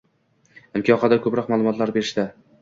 Imkon qadar ko‘proq ma’lumotlarni berishdi.